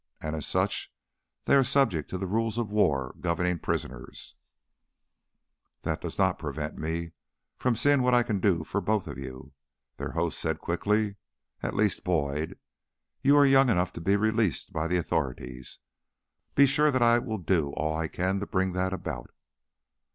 And, as such, they are subject to the rules of war governing prisoners " "That does not prevent my seeing what I can do for both of you," their host said quickly. "At least, Boyd, you are young enough to be released by the authorities. Be sure I shall do all I can to bring that about."